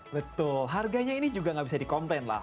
betul harganya ini juga gak bisa di complain lah